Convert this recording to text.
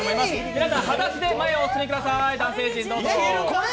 皆さん、はだしで前へお進みください。